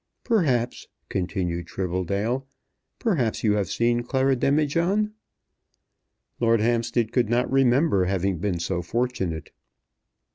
"Perhaps," continued Tribbledale, "perhaps you have seen Clara Demijohn." Lord Hampstead could not remember having been so fortunate.